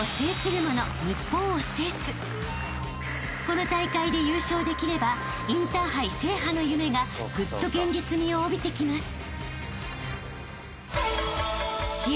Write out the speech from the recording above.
［この大会で優勝できればインターハイ制覇の夢がぐっと現実味を帯びてきます］